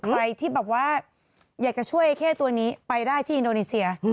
ใครที่แบบว่าอยากจะช่วยไอ้เข้ตัวนี้ไปได้ที่อินโดนีเซีย